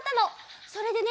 それでね